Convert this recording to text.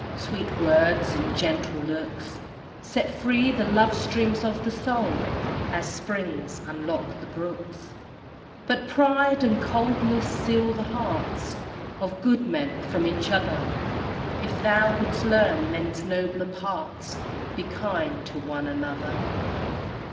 Sweet words and gentle looks Set free the love streams of the soul, As springs unlock the brooks; But pride and coldness seal the hearts Of good men from each other. If thou wouldst learn men's nobler parts Be kind to one another!